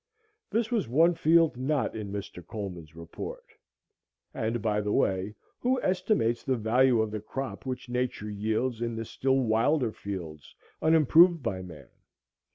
This was one field not in Mr. Coleman's report. And, by the way, who estimates the value of the crop which nature yields in the still wilder fields unimproved by man?